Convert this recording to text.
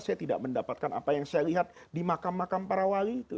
saya tidak mendapatkan apa yang saya lihat di makam makam para wali itu